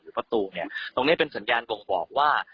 ประตูเนี่ยตรงนี้เป็นสัญญาณบ่งบอกว่า